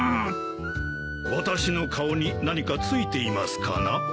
私の顔に何かついていますかな？